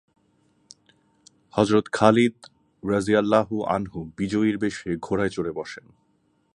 হযরত Khalid রাযিয়াল্লাহু আনহু বিজয়ীর বেশে ঘোড়ায় চড়ে বসেন।